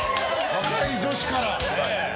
若い女子から。